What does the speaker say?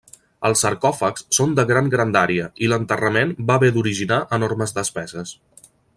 Els sarcòfags són de gran grandària, i l'enterrament va haver d'originar enormes despeses.